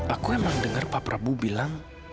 aku emang dengar pak prabowo bilang